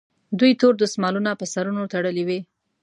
دوی تور دستمالونه پر سرونو تړلي وي.